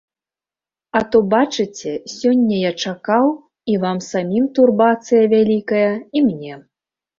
А то, бачыце, сёння я чакаў, і вам самім турбацыя вялікая і мне.